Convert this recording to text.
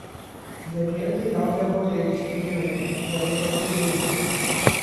They gave the roundabout a distinctive name: The Ring of the Green.